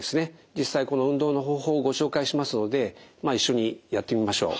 実際この運動の方法をご紹介しますので一緒にやってみましょう。